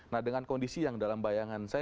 nah dengan kondisi yang dalam bayangan saya